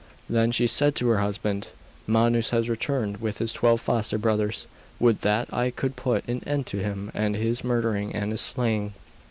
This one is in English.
Then she said to her husband: 'Manus has returned with his twelve foster brothers. Would that I could put an end to him and his murdering and his slaying.